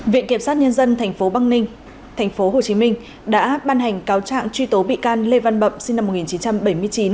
viện kiểm sát nhân dân tp băng ninh tp hcm đã ban hành cáo trạng truy tố bị can lê văn bậm sinh năm một nghìn chín trăm bảy mươi chín